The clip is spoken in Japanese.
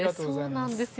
そうなんですよ。